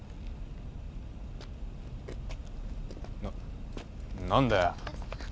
な何だよ？